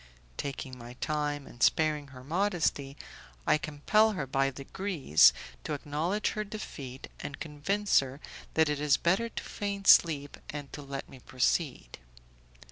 Taking my time, and sparing her modesty, I compel her by degrees to acknowledge her defeat, and convince her that it is better to feign sleep and to let me proceed.